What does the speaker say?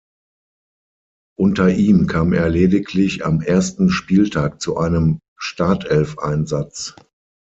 Unter ihm kam er lediglich am ersten Spieltag zu einem Startelfeinsatz.